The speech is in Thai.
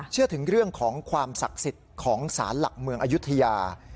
เชื่อถึงเรื่องของความศักดิ์สิทธิ์ของสารหลักเมืองอายุทยา